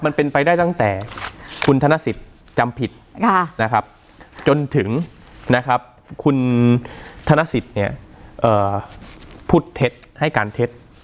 มันเป็นไปได้ตั้งแต่คุณธนสิทธิ์จำผิดนะครับจนถึงนะครับคุณธนสิทธิ์พูดเท็จให้การเท็จ